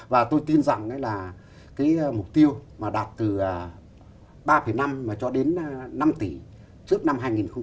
và tôi tin rằng là cái mục tiêu mà đạt từ ba năm mà cho đến năm tỷ trước năm hai nghìn hai mươi